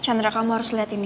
chandra kamu harus lihat ini